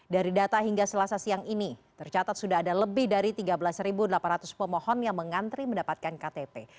dari data hingga selasa siang ini tercatat sudah ada lebih dari tiga belas delapan ratus pemohon yang mengantri mendapatkan ktp